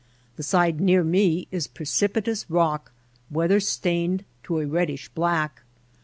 The side near me is precipitous rock, weather stained to a reddish black.